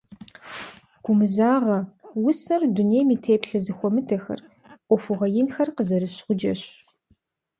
«Гумызагъэ» усэр дунейм и теплъэ зэхуэмыдэхэр, Ӏуэхугъуэ инхэр къызэрыщ гъуджэщ.